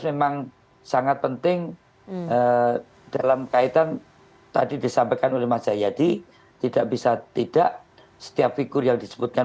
memang sangat penting dalam kaitan tadi disampaikan oleh mas jayadi tidak bisa tidak setiap figur yang disebutkan